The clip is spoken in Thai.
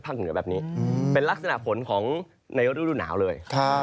พักเหนือแบบนี้เป็นลักษณะผลพูดของเราดูเหนาเลย